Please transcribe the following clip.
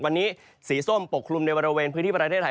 วันนี้สีส้มปกคลุมในบริเวณพื้นที่ประเทศไทย